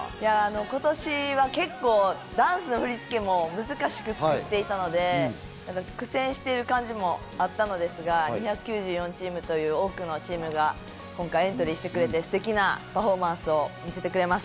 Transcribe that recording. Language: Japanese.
今年は結構ダンスの振り付けも難しくつくっていたので苦戦している感じもあったのですが２９４チームという多くのチームが今回エントリーしてくれてステキなパフォーマンスを見せてくれます。